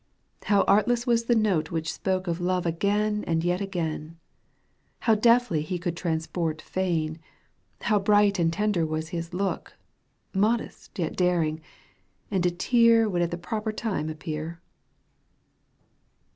How artless was the note which spoke Of love again, and yet again ; How deftly could he transport feign ! How bright and tender was his look, Modest yet daring ! And a tear Woidd at the proper time appear. X.